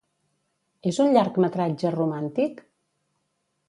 És un llargmetratge romàntic?